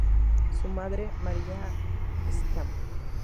Su Madre, María Stma.